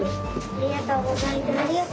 ありがとうございます。